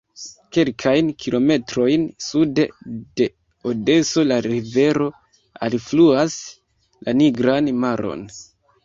Kelkajn kilometrojn sude de Odeso la rivero alfluas la Nigran Maron.